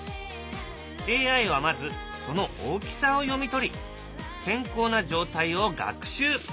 ＡＩはまずその大きさを読み取り健康な状態を学習。